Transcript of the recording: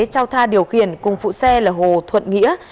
cháu tha điều khiển cùng phụ xe là hồ thuận nghĩa